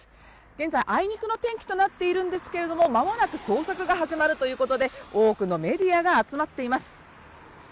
現在あいにくの天気となっているんですけれども、間もなく捜索が始まるということで多くのメディアが集まっています。